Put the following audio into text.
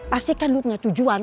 pasti kan lu punya tujuan